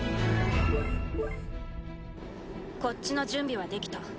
こっちの準備は出来た。